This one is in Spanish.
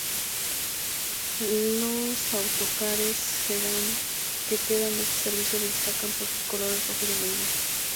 Los autocares que dan este servicio se destacan por sus colores rojo y amarillo.